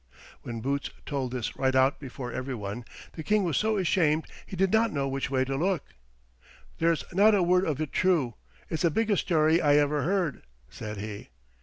When Boots told this right out before every one, the King was so ashamed he did not know which way to look. "There's not a word of it true. It's the biggest story I ever heard," said he.